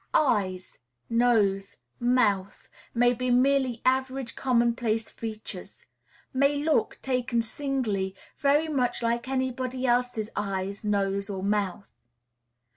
Eyes, nose, mouth, may be merely average commonplace features; may look, taken singly, very much like anybody's else eyes, nose, or mouth.